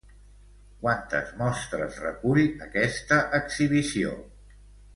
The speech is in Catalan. Quantes mostres recull aquesta exhibició?